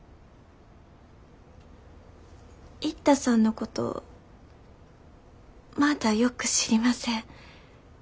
一太さんのことまだよく知りません。